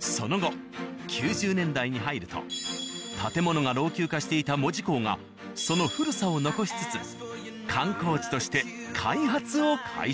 その後’９０年代に入ると建物が老朽化していた門司港がその古さを残しつつ観光地として開発を開始。